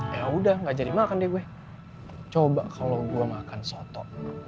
ya udah gak jadi makan deh gue coba kalau gue makan soto